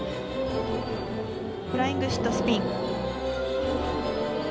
フライングシットスピン。